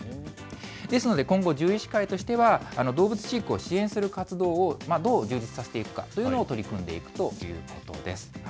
ですので今後、獣医師会としては、動物飼育を支援する活動をどう充実させていくかというのを取り組んでいくということです。